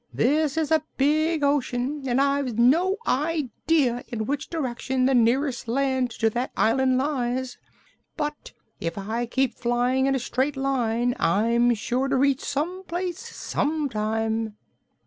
"This is a big ocean and I've no idea in which direction the nearest land to that island lies; but if I keep flying in a straight line I'm sure to reach some place some time."